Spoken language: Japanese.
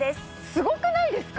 すごくないですか？